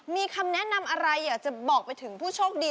มีคำแนะนำอะไรอยากจะบอกไปถึงผู้โชคดี